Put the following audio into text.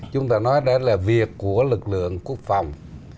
chúng ta nói đó là việc của lực lượng quốc phòng